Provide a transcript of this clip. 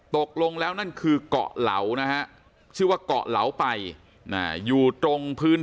ตกลงแล้วนั่นคือเกาะเหลานะฮะชื่อว่าเกาะเหลาไปอยู่ตรงพื้น